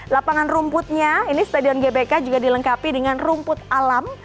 lapangan rumputnya ini stadion gbk juga dilengkapi dengan rumput alam